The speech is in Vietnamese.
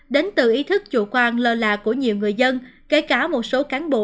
đến từ ý thức chủ quan lơ là của nhiều người dân kể cả một số cán bộ